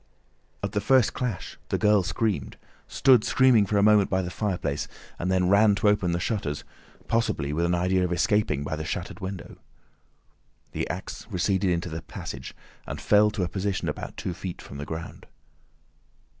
At the first clash the girl screamed, stood screaming for a moment by the fireplace, and then ran to open the shutters—possibly with an idea of escaping by the shattered window. The axe receded into the passage, and fell to a position about two feet from the ground.